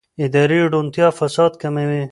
اداري روڼتیا فساد کموي